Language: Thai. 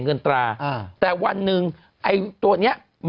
อึกอึกอึกอึก